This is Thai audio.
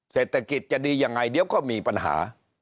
เศรษฐกิจจะดียังไงเดี๋ยวก็มีปัญหา